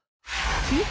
えっ？